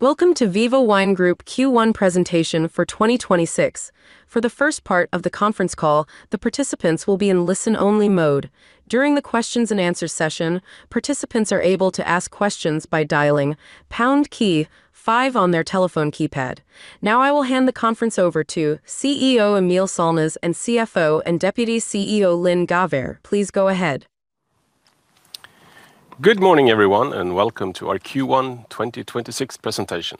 Welcome to Viva Wine Group Q1 presentation for 2026. For the first part of the conference call, the participants will be in listen-only mode. During the question and answer session, participants are able to ask questions by dialing pound key five on their telephone keypad. Now I will hand the conference over to CEO Emil Sallnäs and CFO and Deputy CEO Linn Gäfvert. Please go ahead. Good morning, everyone, and welcome to our Q1 2026 presentation.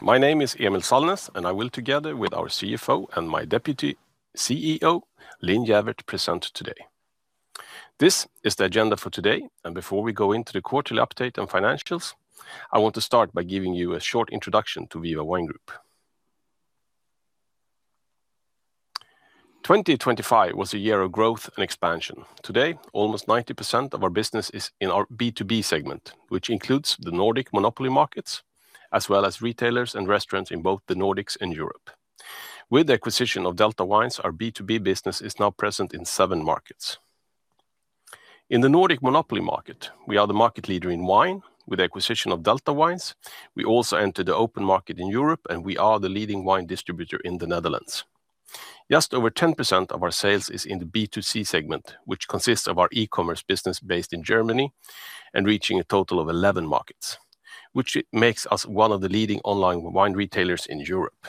My name is Emil Sallnäs, and I will, together with our CFO and my Deputy CEO, Linn Gäfvert, present today. This is the agenda for today. Before we go into the quarterly update and financials, I want to start by giving you a short introduction to Viva Wine Group. 2025 was a year of growth and expansion. Today, almost 90% of our business is in our B2B segment, which includes the Nordic monopoly markets, as well as retailers and restaurants in both the Nordics and Europe. With the acquisition of Delta Wines, our B2B business is now present in seven markets. In the Nordic monopoly market, we are the market leader in wine. With the acquisition of Delta Wines, we also enter the open market in Europe, and we are the leading wine distributor in the Netherlands. Just over 10% of our sales is in the B2C segment, which consists of our e-commerce business based in Germany and reaching a total of 11 markets, which makes us one of the leading online wine retailers in Europe.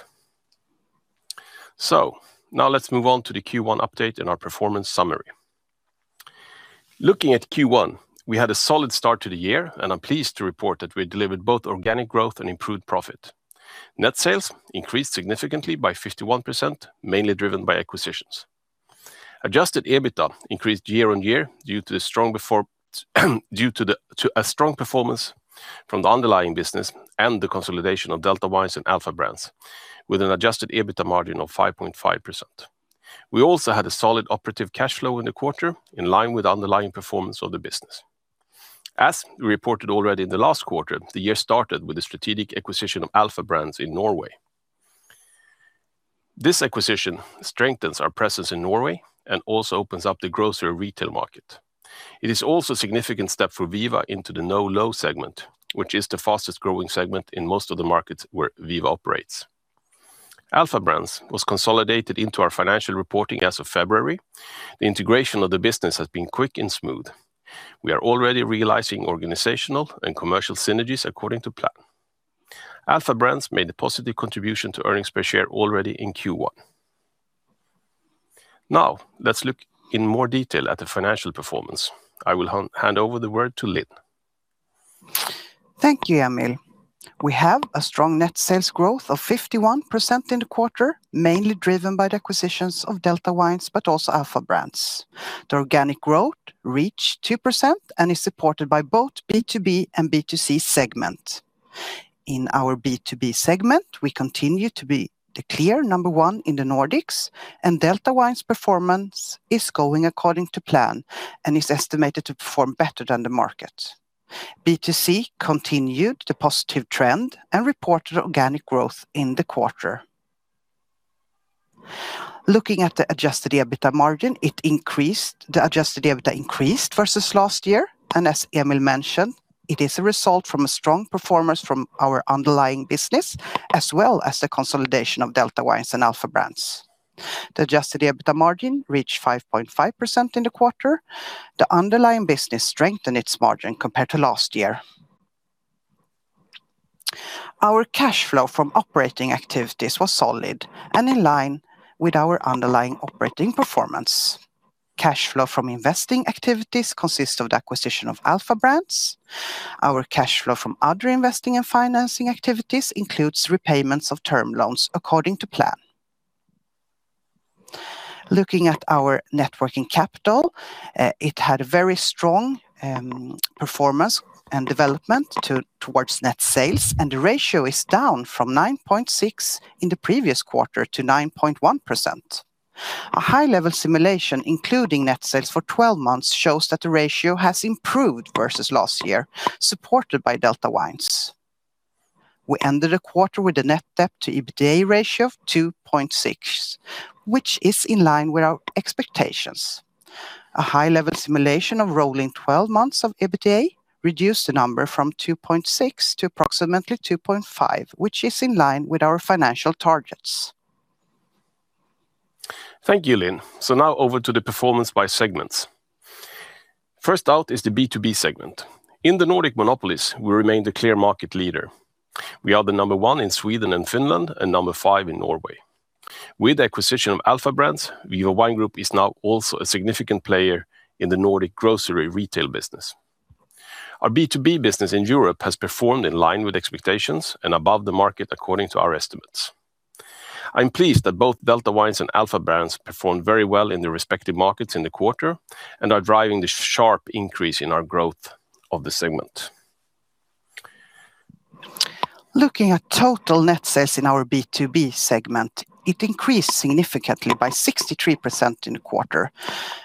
Now let's move on to the Q1 update and our performance summary. Looking at Q1, we had a solid start to the year, and I'm pleased to report that we delivered both organic growth and improved profit. Net sales increased significantly by 51%, mainly driven by acquisitions. Adjusted EBITDA increased year-on-year due to a strong performance from the underlying business and the consolidation of Delta Wines and Alpha Brands, with an adjusted EBITDA margin of 5.5%. We also had a solid operative cash flow in the quarter, in line with underlying performance of the business. As we reported already in the last quarter, the year started with the strategic acquisition of Alpha Brands in Norway. This acquisition strengthens our presence in Norway and also opens up the grocery retail market. It is also a significant step for Viva into the no-low segment, which is the fastest-growing segment in most of the markets where Viva operates. Alpha Brands was consolidated into our financial reporting as of February. The integration of the business has been quick and smooth. We are already realizing organizational and commercial synergies according to plan. Alpha Brands made a positive contribution to earnings per share already in Q1. Now let's look in more detail at the financial performance. I will hand over the word to Linn. Thank you, Emil. We have a strong net sales growth of 51% in the quarter, mainly driven by the acquisitions of Delta Wines but also Alpha Brands. The organic growth reached 2% and is supported by both B2B and B2C segment. In our B2B segment, we continue to be the clear number one in the Nordics. Delta Wines' performance is going according to plan and is estimated to perform better than the market. B2C continued the positive trend and reported organic growth in the quarter. Looking at the adjusted EBITDA margin, it increased. The adjusted EBITDA increased versus last year, and as Emil mentioned, it is a result from a strong performance from our underlying business as well as the consolidation of Delta Wines and Alpha Brands. The adjusted EBITDA margin reached 5.5% in the quarter. The underlying business strengthened its margin compared to last year. Our cash flow from operating activities was solid and in line with our underlying operating performance. Cash flow from investing activities consists of the acquisition of Alpha Brands. Our cash flow from other investing and financing activities includes repayments of term loans according to plan. Looking at our net working capital, it had a very strong performance and development towards net sales, and the ratio is down from 9.6% in the previous quarter to 9.1%. A high-level simulation, including net sales for 12 months, shows that the ratio has improved versus last year, supported by Delta Wines. We ended the quarter with a net debt to EBITDA ratio of 2.6x, which is in line with our expectations. A high-level simulation of rolling 12 months of EBITDA reduced the number from 2.6 to approximately 2.5, which is in line with our financial targets. Thank you, Linn. Now over to the performance by segments. First out is the B2B segment. In the Nordic monopolies, we remain the clear market leader. We are the number one in Sweden and Finland and number five in Norway. With the acquisition of Alpha Brands, Viva Wine Group is now also a significant player in the Nordic grocery retail business. Our B2B business in Europe has performed in line with expectations and above the market according to our estimates. I'm pleased that both Delta Wines and Alpha Brands performed very well in their respective markets in the quarter and are driving the sharp increase in our growth of the segment. Looking at total net sales in our B2B segment, it increased significantly by 63% in the quarter,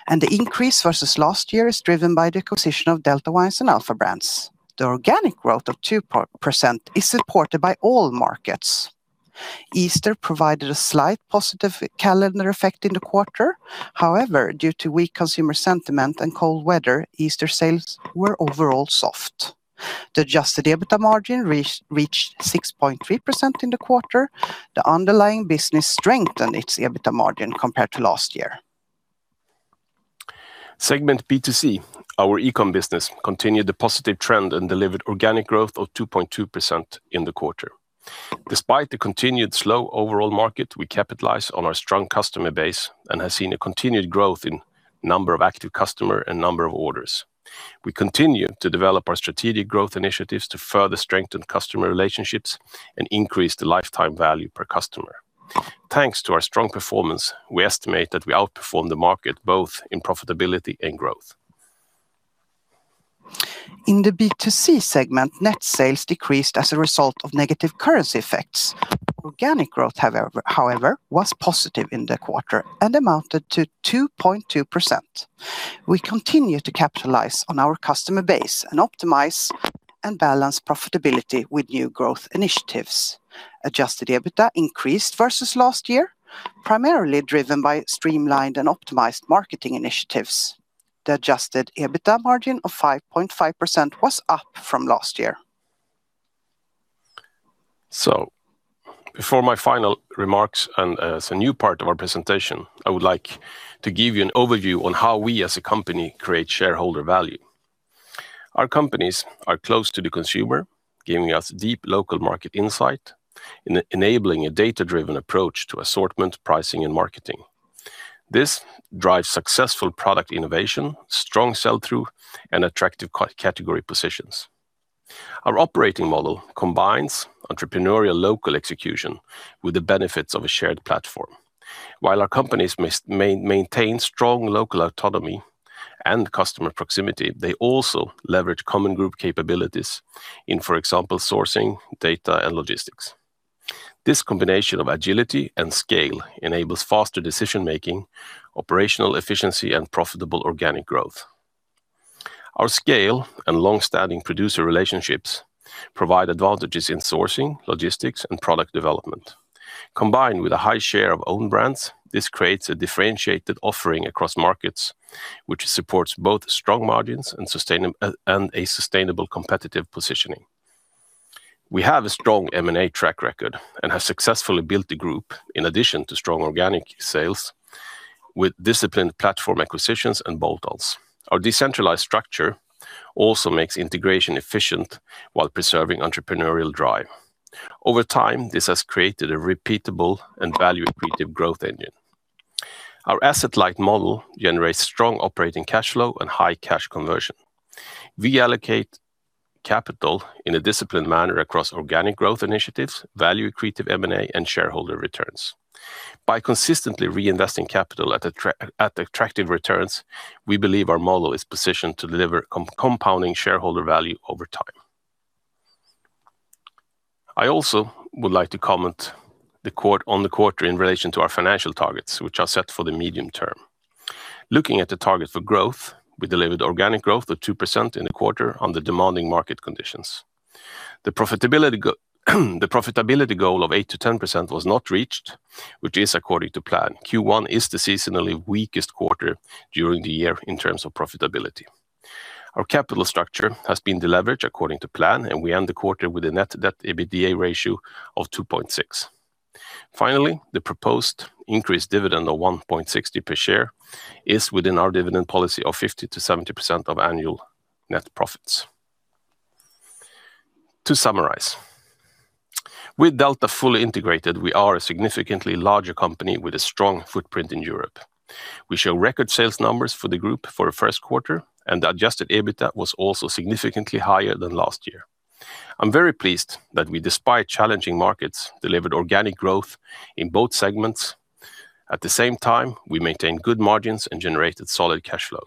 and the increase versus last year is driven by the acquisition of Delta Wines and Alpha Brands. The organic growth of 2.0% is supported by all markets. Easter provided a slight positive calendar effect in the quarter. However, due to weak consumer sentiment and cold weather, Easter sales were overall soft. The adjusted EBITDA margin reached 6.3% in the quarter. The underlying business strengthened its EBITDA margin compared to last year. Segment B2C, our e-com business, continued the positive trend and delivered organic growth of 2.2% in the quarter. Despite the continued slow overall market, we capitalize on our strong customer base and have seen a continued growth in number of active customer and number of orders. We continue to develop our strategic growth initiatives to further strengthen customer relationships and increase the lifetime value per customer. Thanks to our strong performance, we estimate that we outperformed the market both in profitability and growth. In the B2C segment, net sales decreased as a result of negative currency effects. Organic growth, however, was positive in the quarter and amounted to 2.2%. We continue to capitalize on our customer base and optimize and balance profitability with new growth initiatives. Adjusted EBITDA increased versus last year, primarily driven by streamlined and optimized marketing initiatives. The adjusted EBITDA margin of 5.5% was up from last year. Before my final remarks and as a new part of our presentation, I would like to give you an overview on how we as a company create shareholder value. Our companies are close to the consumer, giving us deep local market insight and enabling a data-driven approach to assortment, pricing, and marketing. This drives successful product innovation, strong sell-through, and attractive category positions. Our operating model combines entrepreneurial local execution with the benefits of a shared platform. While our companies maintain strong local autonomy and customer proximity, they also leverage common group capabilities in, for example, sourcing, data, and logistics. This combination of agility and scale enables faster decision-making, operational efficiency, and profitable organic growth. Our scale and long-standing producer relationships provide advantages in sourcing, logistics, and product development. Combined with a high share of own brands, this creates a differentiated offering across markets, which supports both strong margins and a sustainable competitive positioning. We have a strong M&A track record and have successfully built the group in addition to strong organic sales with disciplined platform acquisitions and bolt-ons. Our decentralized structure also makes integration efficient while preserving entrepreneurial drive. Over time, this has created a repeatable and value accretive growth engine. Our asset-light model generates strong operating cash flow and high cash conversion. We allocate capital in a disciplined manner across organic growth initiatives, value accretive M&A, and shareholder returns. By consistently reinvesting capital at attractive returns, we believe our model is positioned to deliver compounding shareholder value over time. I also would like to comment on the quarter in relation to our financial targets, which are set for the medium term. Looking at the target for growth, we delivered organic growth of 2% in the quarter on the demanding market conditions. The profitability goal of 8%-10% was not reached, which is according to plan. Q1 is the seasonally weakest quarter during the year in terms of profitability. Our capital structure has been deleveraged according to plan, and we end the quarter with a net debt EBITDA ratio of 2.6x. Finally, the proposed increased dividend of 1.60 per share is within our dividend policy of 50%-70% of annual net profits. To summarize, with Delta fully integrated, we are a significantly larger company with a strong footprint in Europe. We show record sales numbers for the group for the first quarter, and the adjusted EBITDA was also significantly higher than last year. I'm very pleased that we, despite challenging markets, delivered organic growth in both segments. At the same time, we maintained good margins and generated solid cash flow.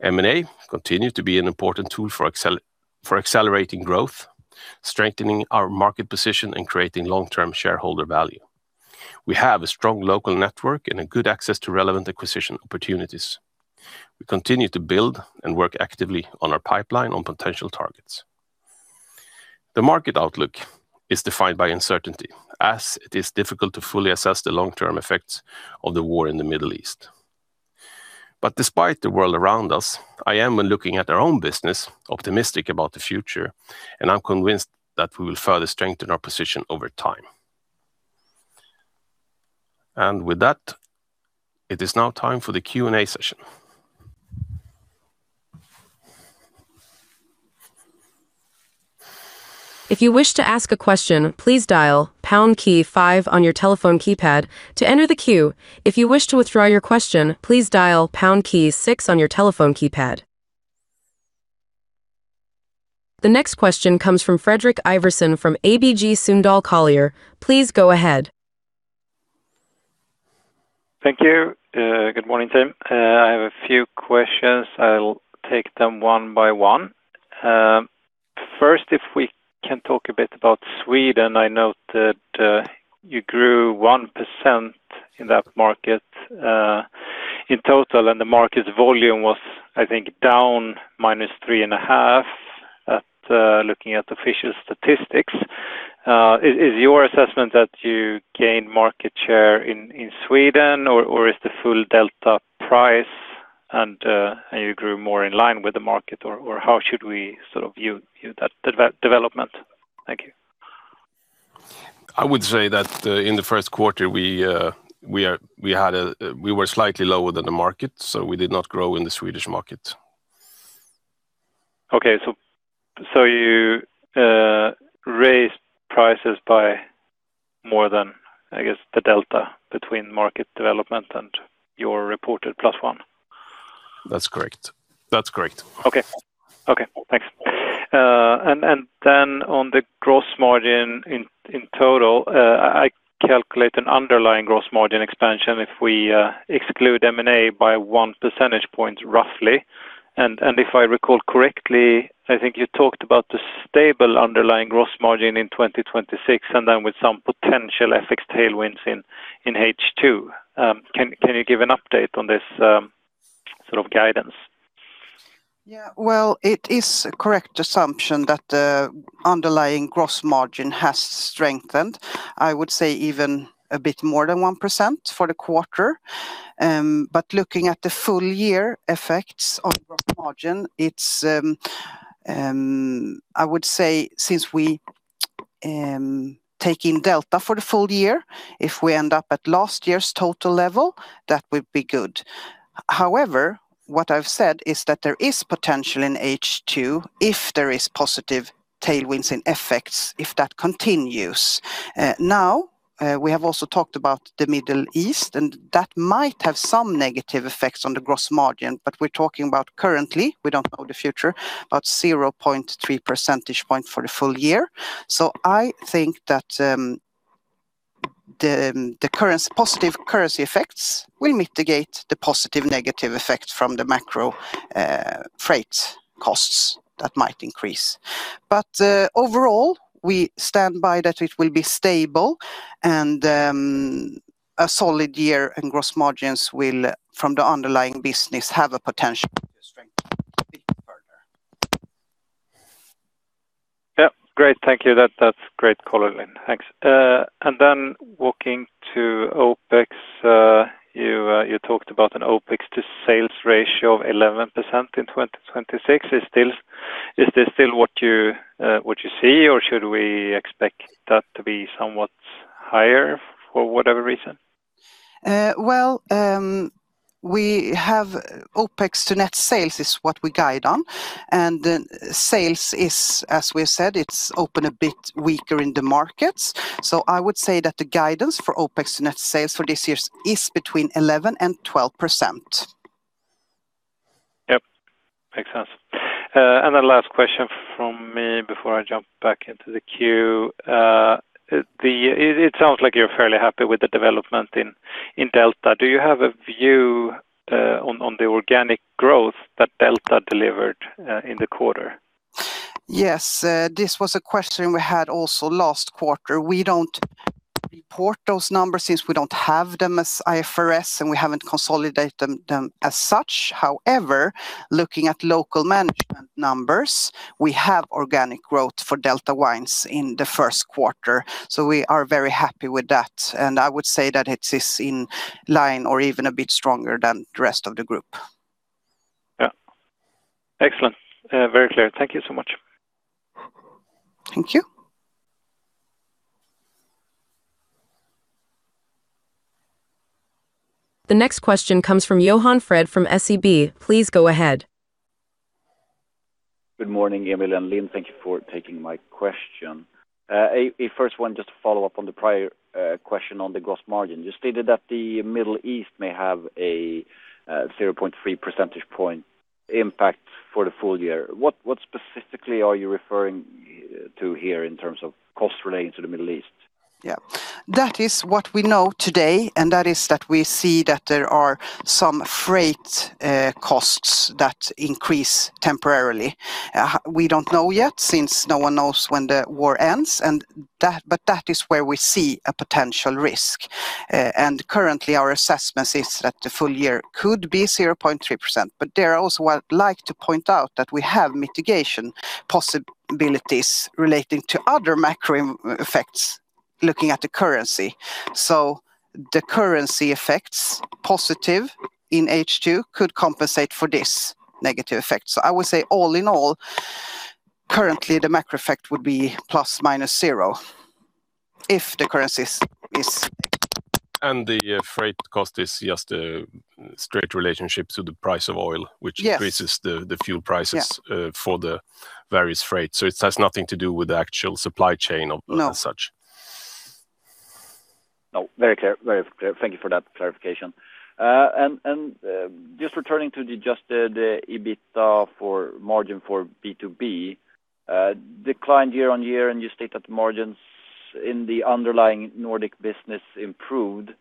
M&A continued to be an important tool for accelerating growth, strengthening our market position, and creating long-term shareholder value. We have a strong local network and a good access to relevant acquisition opportunities. We continue to build and work actively on our pipeline on potential targets. The market outlook is defined by uncertainty, as it is difficult to fully assess the long-term effects of the war in the Middle East. Despite the world around us, I am, when looking at our own business, optimistic about the future, and I'm convinced that we will further strengthen our position over time. With that, it is now time for the Q&A session. The next question comes from Fredrik Ivarsson from ABG Sundal Collier. Please go ahead. Thank you. Good morning to you. I have a few questions. I'll take them one by one. First, if we can talk a bit about Sweden, I note that you grew 1% in that market. In total and the market volume was, I think, down minus 3.5%, looking at official statistics. Is your assessment that you gained market share in Sweden or is the full Delta Wines and you grew more in line with the market, or how should we sort of view that development? Thank you. I would say that, in the first quarter, we had a, we were slightly lower than the market. We did not grow in the Swedish market. Okay. You raised prices by more than, I guess, the delta between market development and your reported plus one? That's correct. That's correct. Okay. Okay, thanks. Then on the gross margin in total, I calculate an underlying gross margin expansion if we exclude M&A by 1 percentage point roughly. If I recall correctly, I think you talked about the stable underlying gross margin in 2026, then with some potential FX tailwinds in H2. Can you give an update on this sort of guidance? Well, it is a correct assumption that underlying gross margin has strengthened. I would say even a bit more than 1% for the quarter. Looking at the full year effects on gross margin, it's I would say since we take in Delta for the full year, if we end up at last year's total level, that would be good. However, what I've said is that there is potential in H2 if there is positive tailwinds in effects, if that continues. Now, we have also talked about the Middle East, that might have some negative effects on the gross margin. We're talking about currently, we don't know the future, about 0.3 percentage point for the full year. I think that positive currency effects will mitigate the positive, negative effect from the macro freight costs that might increase. Overall, we stand by that it will be stable and a solid year and gross margins will, from the underlying business, have a potential to strengthen a bit further. Yeah. Great. Thank you. That's great color, Linn. Thanks. Walking to OpEx, you talked about an OpEx to sales ratio of 11% in 2026. Is this still what you see, or should we expect that to be somewhat higher for whatever reason? We have OpEx to net sales is what we guide on. Sales is, as we said, it's been a bit weaker in the markets. I would say that the guidance for OpEx to net sales for this year is between 11% and 12%. Yep. Makes sense. The last question from me before I jump back into the queue. It sounds like you're fairly happy with the development in Delta. Do you have a view on the organic growth that Delta delivered in the quarter? Yes. This was a question we had also last quarter. We don't report those numbers since we don't have them as IFRS, and we haven't consolidated them as such. However, looking at local management numbers, we have organic growth for Delta Wines in the first quarter. We are very happy with that. I would say that it is in line or even a bit stronger than the rest of the group. Yeah. Excellent. Very clear. Thank you so much. Thank you. The next question comes from Johan Fred from SEB. Please go ahead. Good morning, Emil and Linn. Thank you for taking my question. A first one, just to follow up on the prior question on the gross margin. You stated that the Middle East may have a 0.3 percentage point impact for the full year. What specifically are you referring to here in terms of cost relating to the Middle East? Yeah. That is what we know today, and that is that we see that there are some freight costs that increase temporarily. We don't know yet since no one knows when the war ends, but that is where we see a potential risk. Currently, our assessment is that the full year could be 0.3%. There are also, I'd like to point out, that we have mitigation possibilities relating to other macro effects looking at the currency. The currency effects, positive in H2, could compensate for this negative effect. I would say all in all, currently the macro effect would be ±0 if the currency is. the freight cost is just a straight relationship to the price of oil- Yes. ...which increases the fuel prices. Yeah. ...for the various freight. It has nothing to do with the actual supply chain. No. ...as such. No. Very clear. Very clear. Thank you for that clarification. Just returning to the adjusted EBITDA for margin for B2B, declined year-on-year, and you state that margins in the underlying Nordic business improved.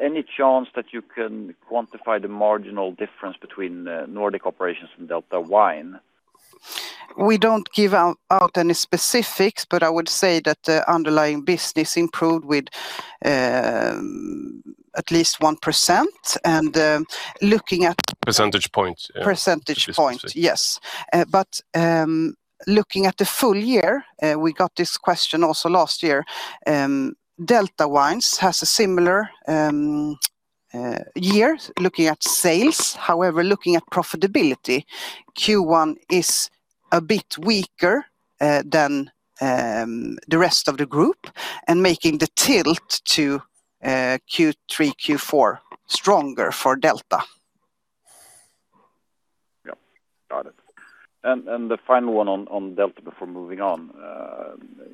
Any chance that you can quantify the marginal difference between Nordic operations and Delta Wines? We don't give out any specifics, I would say that the underlying business improved with at least 1%. Percentage points, yeah. Percentage points, yes. Looking at the full year, we got this question also last year, Delta Wines has a similar year looking at sales. However, looking at profitability, Q1 is a bit weaker than the rest of the group and making the tilt to Q3, Q4 stronger for Delta Wines. Yeah, got it. The final one on Delta before moving on.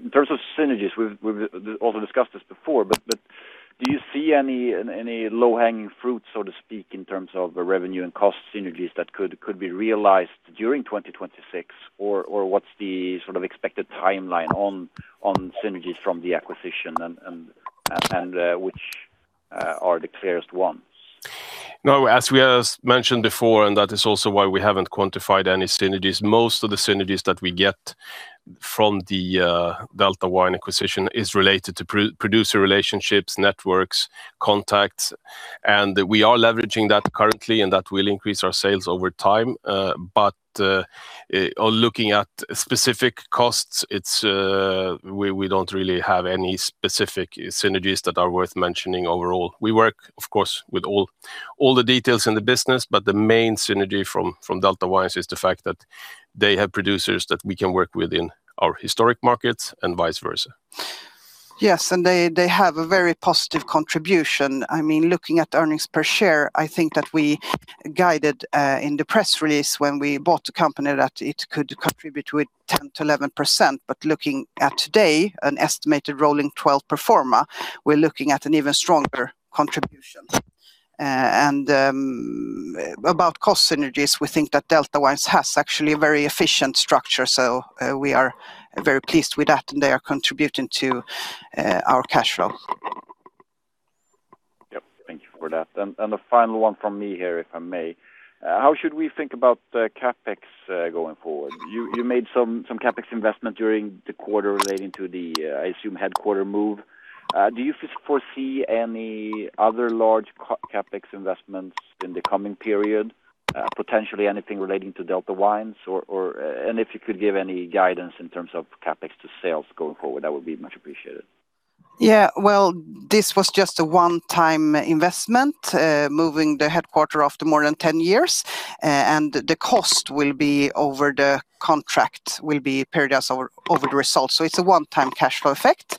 In terms of synergies, we've also discussed this before, do you see any low-hanging fruit, so to speak, in terms of the revenue and cost synergies that could be realized during 2026? What's the sort of expected timeline on synergies from the acquisition and which are the clearest ones? No, as we have mentioned before, that is also why we haven't quantified any synergies, most of the synergies that we get from the Delta Wines acquisition is related to pro-producer relationships, networks, contacts. We are leveraging that currently. That will increase our sales over time. Looking at specific costs, it's, we don't really have any specific synergies that are worth mentioning overall. We work, of course, with all the details in the business. The main synergy from Delta Wines is the fact that they have producers that we can work with in our historic markets and vice versa. Yes, they have a very positive contribution. I mean, looking at earnings per share, I think that we guided in the press release when we bought the company that it could contribute with 10% to 11%. Looking at today, an estimated rolling 12 pro forma, we're looking at an even stronger contribution. About cost synergies, we think that Delta Wines has actually a very efficient structure, so we are very pleased with that, and they are contributing to our cash flow. Yep. Thank you for that. The final one from me here, if I may. How should we think about the CapEx going forward? You made some CapEx investment during the quarter relating to the, I assume, headquarter move. Do you foresee any other large CapEx investments in the coming period? Potentially anything relating to Delta Wines or if you could give any guidance in terms of CapEx to sales going forward, that would be much appreciated. Well, this was just a one-time investment, moving the headquarters after more than 10 years. The cost will be over the contract, will be period as over the results. It's a one-time cash flow effect.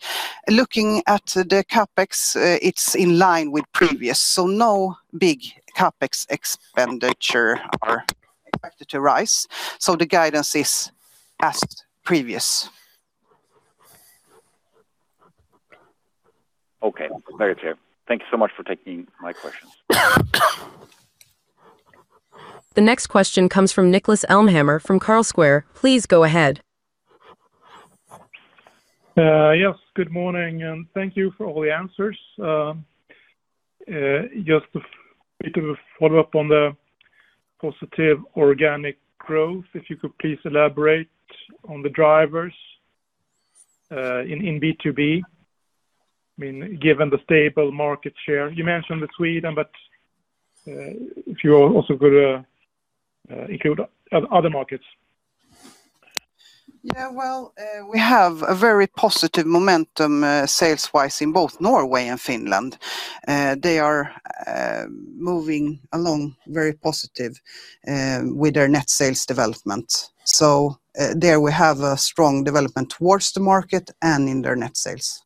Looking at the CapEx, it's in line with previous, no big CapEx expenditure are expected to rise. The guidance is as previous. Okay. Very clear. Thank you so much for taking my questions. The next question comes from Niklas Elmhammer from Carlsquare. Please go ahead. Yes, good morning, and thank you for all the answers. Just a bit of a follow-up on the positive organic growth. If you could please elaborate on the drivers in B2B, I mean, given the stable market share. You mentioned the Sweden, but if you also could include other markets. Yeah, well, we have a very positive momentum, sales-wise in both Norway and Finland. They are moving along very positive with their net sales development. There we have a strong development towards the market and in their net sales.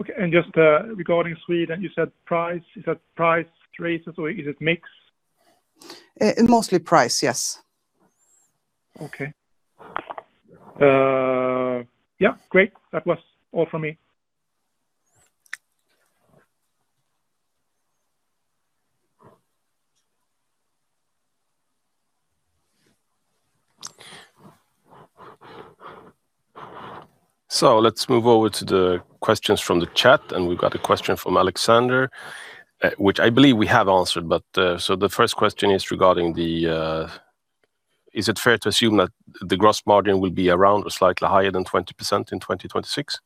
Okay. Just, regarding Sweden, you said price. Is that price raises or is it mix? Mostly price, yes. Okay. Yeah, great. That was all from me. Let's move over to the questions from the chat. We've got a question from Alexander, which I believe we have answered. The first question is regarding the, is it fair to assume that the gross margin will be around or slightly higher than 20% in 2026?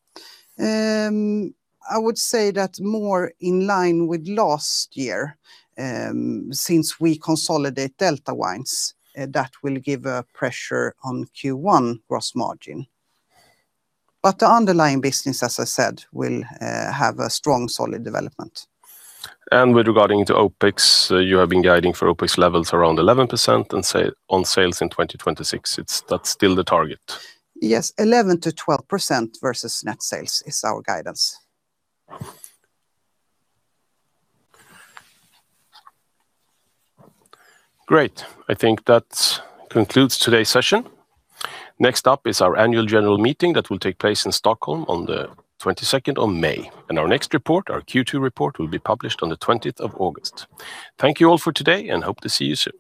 I would say that more in line with last year, since we consolidate Delta Wines, that will give a pressure on Q1 gross margin. The underlying business, as I said, will have a strong, solid development. With regarding to OpEx, you have been guiding for OpEx levels around 11% on sales in 2026. That's still the target? Yes, 11%-12% versus net sales is our guidance. Great. I think that concludes today's session. Next up is our annual general meeting that will take place in Stockholm on the 22nd of May. Our next report, our Q2 report, will be published on the 20th of August. Thank you all for today, and hope to see you soon.